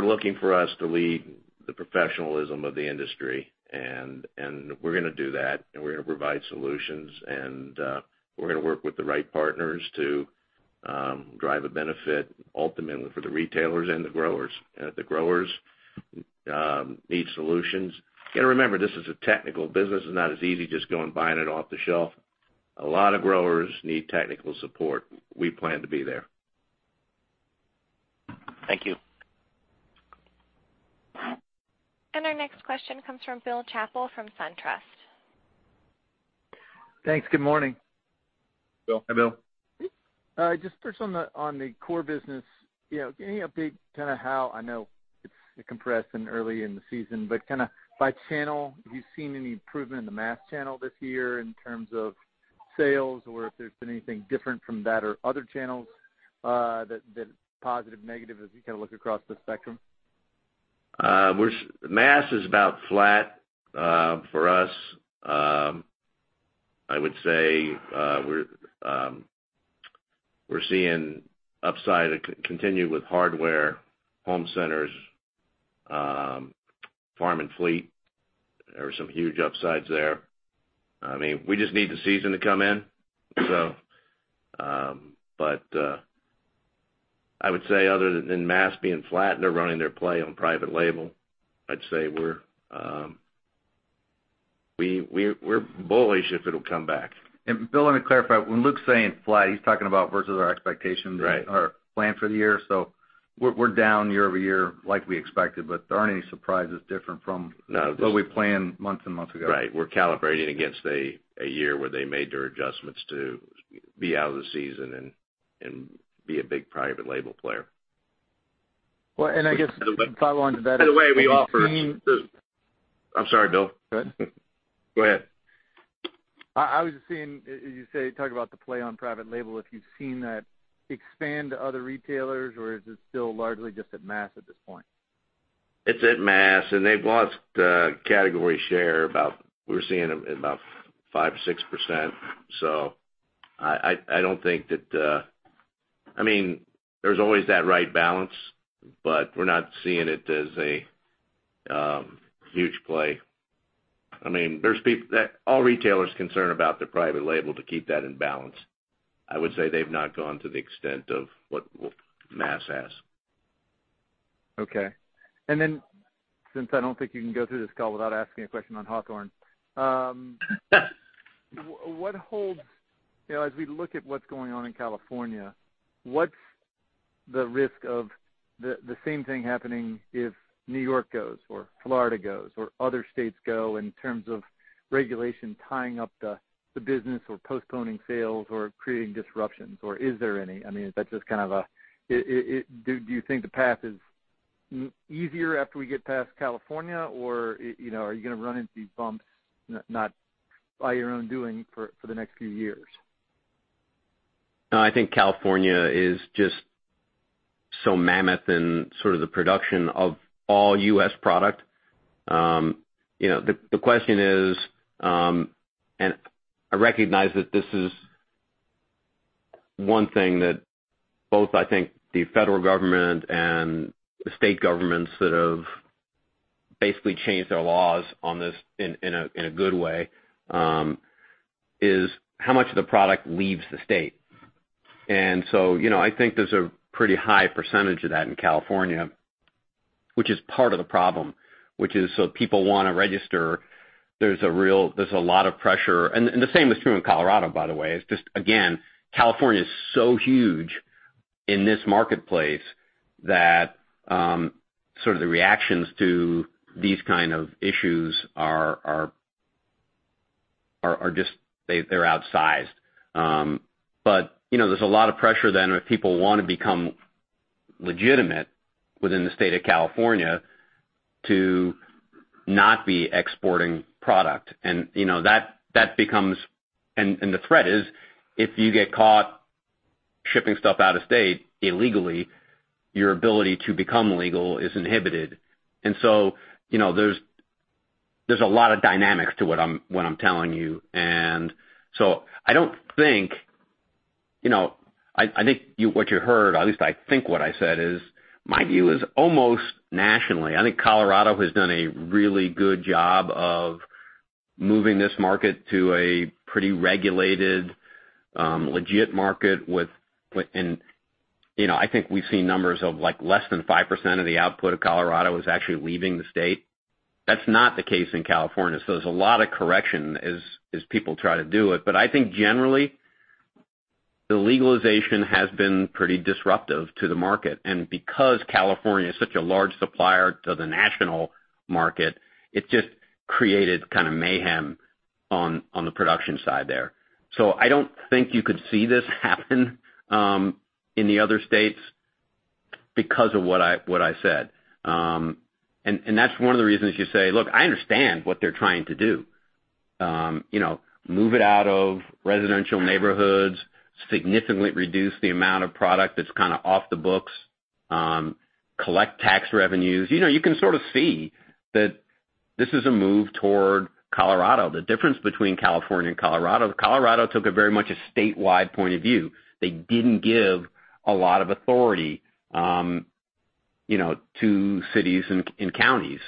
looking for us to lead the professionalism of the industry. We're going to do that. We're going to provide solutions. We're going to work with the right partners to drive a benefit ultimately for the retailers and the growers. The growers need solutions. You got to remember, this is a technical business. It's not as easy just going buying it off the shelf. A lot of growers need technical support. We plan to be there. Thank you. Our next question comes from William Chappell from SunTrust. Thanks. Good morning. Bill. Hi, Bill. Just first on the core business. Any update kind of how, I know it's compressed and early in the season, kind of by channel, have you seen any improvement in the mass channel this year in terms of sales or if there's been anything different from that or other channels that positive, negative as we kind of look across the spectrum? Mass is about flat for us. I would say we're seeing upside continue with hardware, home centers, farm and fleet. There are some huge upsides there. We just need the season to come in. I would say other than mass being flat and they're running their play on private label, I'd say we're bullish if it'll come back. Bill, let me clarify. When Luke's saying flat, he's talking about versus our expectations. Right or plan for the year. We're down year-over-year like we expected, but there aren't any surprises different from- No what we planned months and months ago. Right. We're calibrating against a year where they made their adjustments to be out of the season and be a big private label player. Well, I guess if I wanted to- By the way, I'm sorry, Bill. Go ahead. Go ahead. I was just seeing, you say, talk about the play on private label, if you've seen that expand to other retailers or is it still largely just at Mass at this point? It's at Mass, and they've lost category share, we're seeing about 5%-6%. I don't think that. There's always that right balance, we're not seeing it as a huge play. All retailers are concerned about their private label to keep that in balance. I would say they've not gone to the extent of what Mass has. Okay. Since I don't think you can go through this call without asking a question on Hawthorne. As we look at what's going on in California, what's the risk of the same thing happening if New York goes or Florida goes or other states go in terms of regulation tying up the business or postponing sales or creating disruptions, or is there any? Do you think the path is easier after we get past California, or are you going to run into these bumps, not by your own doing, for the next few years? No, I think California is just so mammoth in sort of the production of all U.S. product. The question is, and I recognize that this is one thing that both, I think, the federal government and the state governments that have basically changed their laws on this in a good way, is how much of the product leaves the state. I think there's a pretty high percentage of that in California, which is part of the problem. Which is so people want to register. There's a lot of pressure. The same is true in Colorado, by the way. It's just, again, California is so huge in this marketplace that sort of the reactions to these kind of issues are just outsized. There's a lot of pressure then if people want to become legitimate within the state of California to not be exporting product. The threat is, if you get caught shipping stuff out of state illegally, your ability to become legal is inhibited. There's a lot of dynamics to what I'm telling you. I think what you heard, at least I think what I said is, my view is almost nationally. I think Colorado has done a really good job of moving this market to a pretty regulated, legit market. I think we've seen numbers of less than 5% of the output of Colorado is actually leaving the state. That's not the case in California. There's a lot of correction as people try to do it. I think generally, the legalization has been pretty disruptive to the market. Because California is such a large supplier to the national market, it just created kind of mayhem on the production side there. I don't think you could see this happen in the other states because of what I said. That's one of the reasons you say, look, I understand what they're trying to do. Move it out of residential neighborhoods, significantly reduce the amount of product that's kind of off the books, collect tax revenues. You can sort of see that this is a move toward Colorado. The difference between California and Colorado is Colorado took a very much a statewide point of view. They didn't give a lot of authority to cities and counties.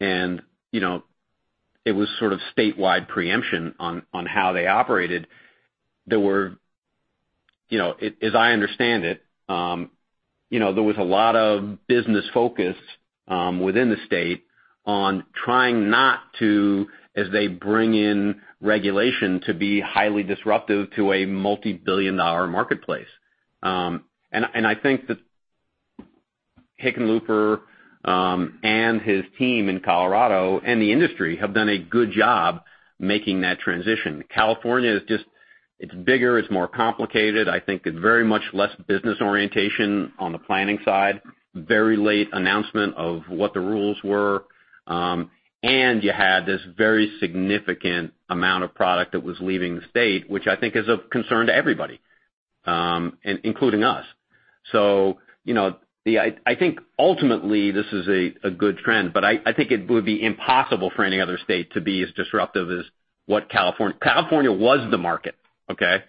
It was sort of statewide preemption on how they operated. As I understand it, there was a lot of business focus within the state on trying not to, as they bring in regulation, to be highly disruptive to a multibillion-dollar marketplace. I think that Hickenlooper and his team in Colorado and the industry have done a good job making that transition. California is just bigger. It's more complicated. I think it's very much less business orientation on the planning side, very late announcement of what the rules were. You had this very significant amount of product that was leaving the state, which I think is of concern to everybody, including us. I think ultimately this is a good trend, but I think it would be impossible for any other state to be as disruptive as what California. California was the market,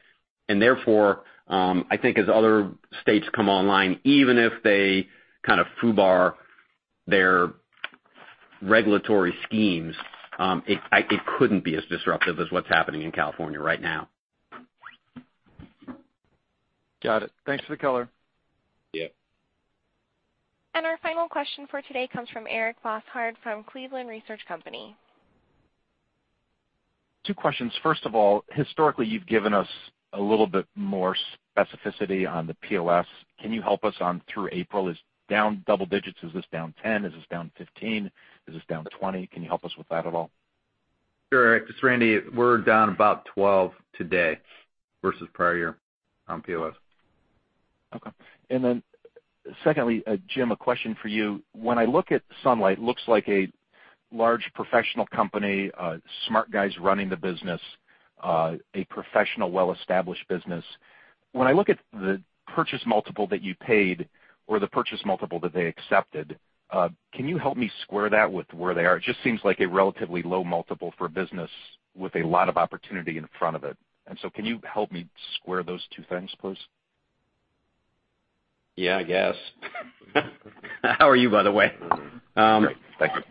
okay? I think as other states come online, even if they kind of FUBAR their regulatory schemes, it couldn't be as disruptive as what's happening in California right now. Got it. Thanks for the color. Yeah. Our final question for today comes from Eric Bosshard from Cleveland Research Company. Two questions. First of all, historically, you've given us a little bit more specificity on the POS. Can you help us on through April? Is down double digits, is this down 10? Is this down 15? Is this down 20? Can you help us with that at all? Sure, Eric. This is Randy. We're down about 12 today versus prior year on POS. Okay. Secondly, Jim, a question for you. When I look at Sunlight, looks like a large professional company, smart guys running the business, a professional, well-established business. When I look at the purchase multiple that you paid or the purchase multiple that they accepted, can you help me square that with where they are? It just seems like a relatively low multiple for a business with a lot of opportunity in front of it. Can you help me square those two things, please? Yeah, I guess. How are you, by the way? Great. Thank you.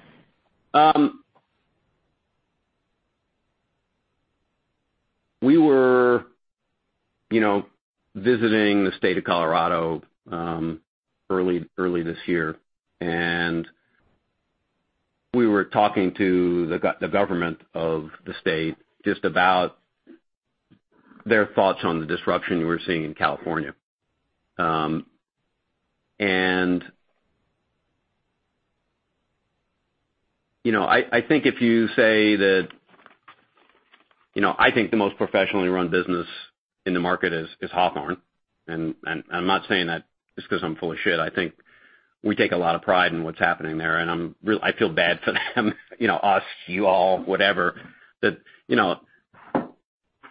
We were visiting the state of Colorado early this year, we were talking to the government of the state just about their thoughts on the disruption we're seeing in California. I think the most professionally run business in the market is Hawthorne. I'm not saying that just because I'm full of shit. I think we take a lot of pride in what's happening there, and I feel bad for them, us, you all, whatever, that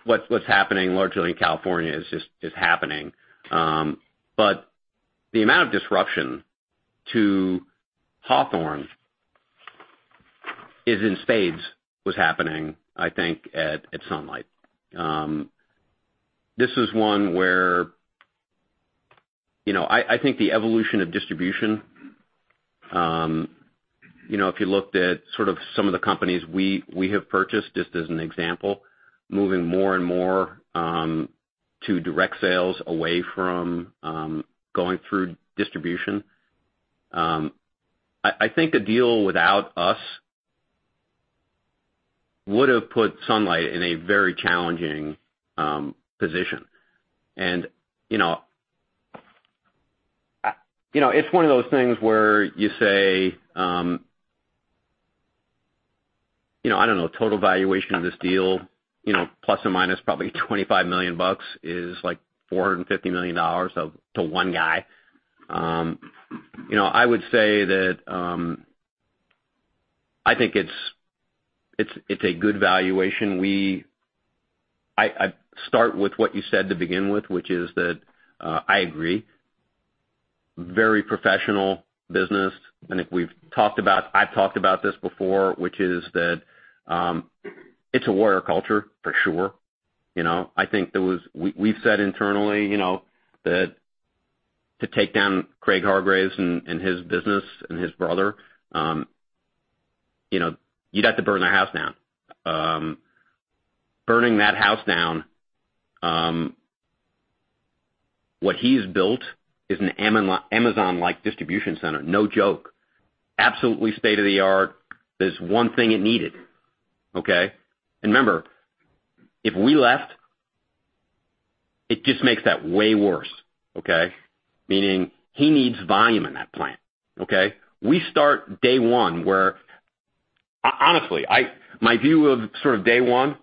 what's happening largely in California is just happening. The amount of disruption to Hawthorne is in spades, was happening, I think, at Sunlight. This is one where I think the evolution of distribution, if you looked at sort of some of the companies we have purchased, just as an example, moving more and more to direct sales away from going through distribution. I think a deal without us would've put Sunlight in a very challenging position. It's one of those things where you say, I don't know, total valuation of this deal, plus or minus probably $25 million is like $450 million to one guy. I would say that I think it's a good valuation. I start with what you said to begin with, which is that I agree. Very professional business, and I've talked about this before, which is that it's a warrior culture for sure. We've said internally, that to take down Craig Hargreaves and his business and his brother, you'd have to burn their house down. Burning that house down, what he's built is an Amazon-like distribution center, no joke. Absolutely state of the art. There's one thing it needed. Okay? Remember, if we left, it just makes that way worse. Okay? Meaning he needs volume in that plant. Okay? We start day one where Honestly, my view of day one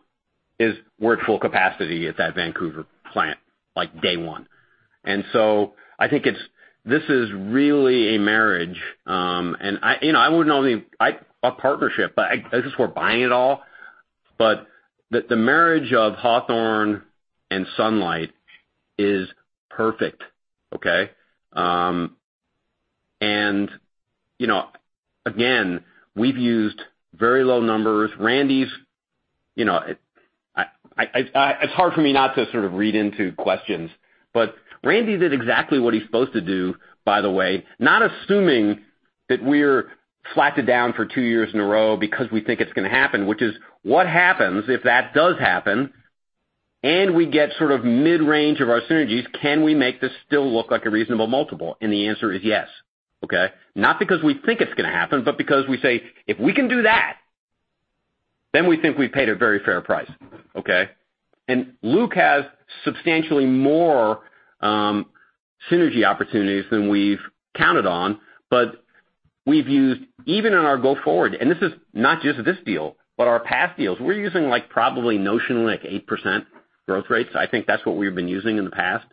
is we're at full capacity at that Vancouver plant, like day one. I think this is really a marriage. A partnership, I guess we're buying it all. The marriage of Hawthorne and Sunlight is perfect. Okay? Again, we've used very low numbers. It's hard for me not to sort of read into questions, but Randy did exactly what he's supposed to do, by the way, not assuming that we're slacked down for two years in a row because we think it's going to happen, which is what happens if that does happen, and we get sort of mid-range of our synergies, can we make this still look like a reasonable multiple? The answer is yes. Okay? Not because we think it's going to happen, but because we say, if we can do that, then we think we've paid a very fair price. Okay? Luke has substantially more synergy opportunities than we've counted on, but we've used even in our go forward, and this is not just this deal, but our past deals, we're using probably notion like 8% growth rates. I think that's what we've been using in the past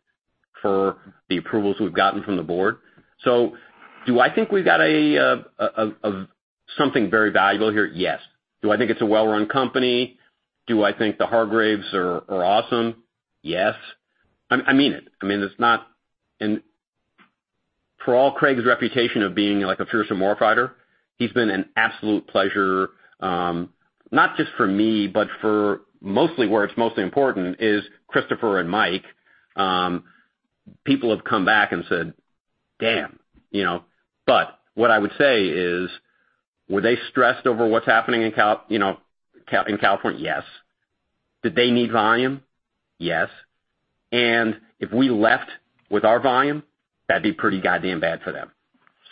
for the approvals we've gotten from the board. Do I think we've got something very valuable here? Yes. Do I think it's a well-run company? Do I think the Hargreaves are awesome? Yes. I mean it. For all Craig's reputation of being like a fearsome war fighter, he's been an absolute pleasure, not just for me, but for mostly where it's mostly important is Christopher and Mike. People have come back and said, "Damn." What I would say is, were they stressed over what's happening in California? Yes. Did they need volume? Yes. If we left with our volume, that'd be pretty goddamn bad for them.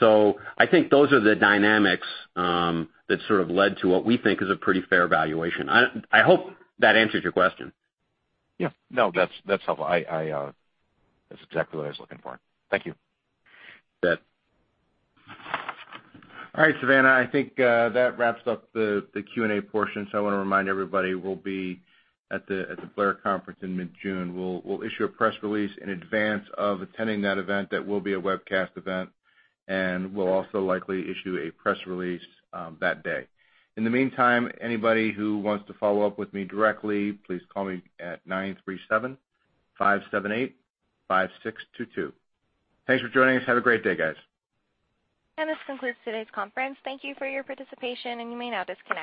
I think those are the dynamics that sort of led to what we think is a pretty fair valuation. I hope that answers your question. Yeah. No, that's helpful. That's exactly what I was looking for. Thank you. You bet. All right, Savannah, I think that wraps up the Q&A portion. I want to remind everybody, we'll be at the Blair Conference in mid-June. We'll issue a press release in advance of attending that event. That will be a webcast event, and we'll also likely issue a press release that day. In the meantime, anybody who wants to follow up with me directly, please call me at nine three seven five seven eight five six two two. Thanks for joining us. Have a great day, guys. This concludes today's conference. Thank you for your participation, and you may now disconnect.